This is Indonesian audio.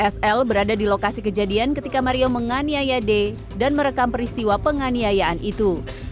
sl berada di lokasi kejadian ketika mario menganiaya d dan merekam peristiwa penganiayaan itu